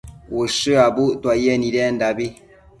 ushË abuctuaye nidendabi